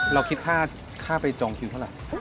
เราคิดค่าไปจองคิวเท่าไหร่